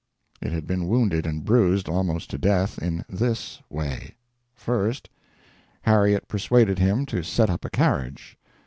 It had been wounded and bruised almost to death in this way: 1st. Harriet persuaded him to set up a carriage.